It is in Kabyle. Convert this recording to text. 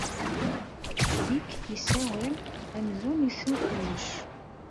Dick yessawal amzun yessen kullec.